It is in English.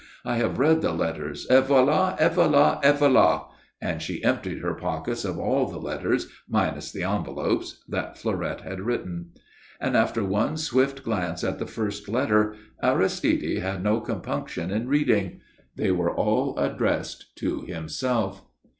I have read the letters, et voilà, et voilà, et voilà!" And she emptied her pockets of all the letters, minus the envelopes, that Fleurette had written. And, after one swift glance at the first letter, Aristide had no compunction in reading. They were all addressed to himself.